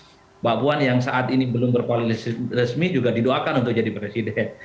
mbak puan yang saat ini belum berkoalisi resmi juga didoakan untuk jadi presiden